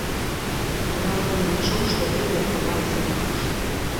Я нават не лічу, што недзе адбываецца інакш.